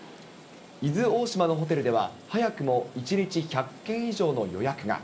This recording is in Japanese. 伊豆大島のホテルでは、早くも１日１００件以上の予約が。